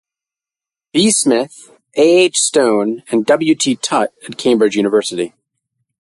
B. Smith, A. H. Stone and W. T. Tutte at Cambridge University.